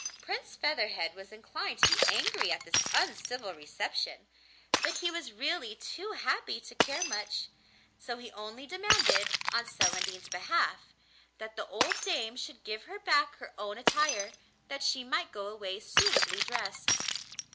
Prince Featherhead was inclined to be angry at this uncivil reception, but he was really too happy to care much, so he only demanded, on Celandine's behalf, that the old dame should give her back her own attire, that she might go away suitably dressed.